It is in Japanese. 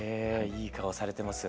いい顔されてます。